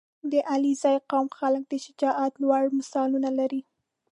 • د علیزي قوم خلک د شجاعت لوړ مثالونه لري.